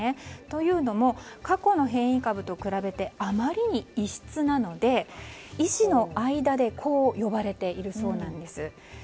というのも過去の変異株と比べてあまりに異質なので、医師の間でこう呼ばれているそうなんです。